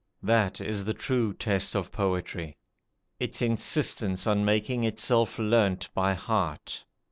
That is the true test of poetry, its insistence on making itself learnt by heart.